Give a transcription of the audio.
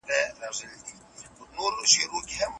ته زما عيبونه چا ته مه وايه زه به ستا عيبونه پټوم.